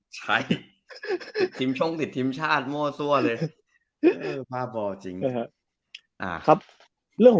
ใช่ทีมช่องสิทธิ์ทีมชาติโม้สั่วเลย